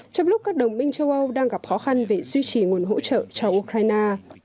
trong lúc các đồng minh châu âu đang gặp khó khăn về duy trì nguồn hỗ trợ cho ukraine